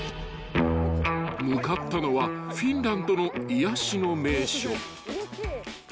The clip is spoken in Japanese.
［向かったのはフィンランドの癒やしの名所］